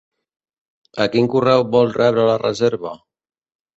A quin correu vol rebre la reserva?